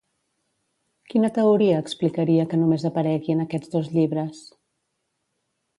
Quina teoria explicaria que només aparegui en aquests dos llibres?